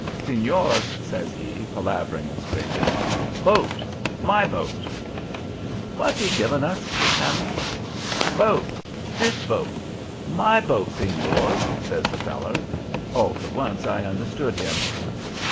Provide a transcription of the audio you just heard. "'Senors,' says he, palavering and scraping, 'boat! my boat!' "'W'at's 'e giving us?' says Hammond. "'Boat! This boat! My boat, senors,' says the feller. All to once I understood him.